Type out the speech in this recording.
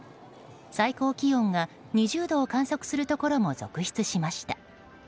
最高気温が２０度を観測するところも続出しました。